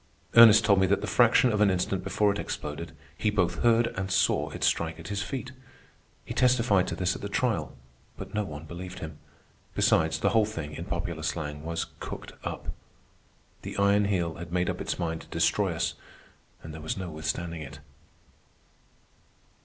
Ernest told me that the fraction of an instant before it exploded he both heard and saw it strike at his feet. He testified to this at the trial, but no one believed him. Besides, the whole thing, in popular slang, was "cooked up." The Iron Heel had made up its mind to destroy us, and there was no withstanding it.